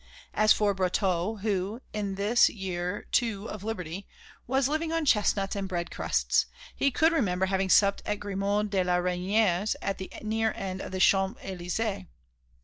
As for Brotteaux who, in this year II of liberty, was living on chestnuts and bread crusts, he could remember having supped at Grimod de la Reynière's at the near end of the Champs Élysées.